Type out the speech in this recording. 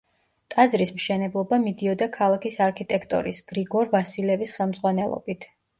ტაძრის მშენებლობა მიდიოდა ქალაქის არქიტექტორის გრიგორ ვასილევის ხელმძღვანელობით.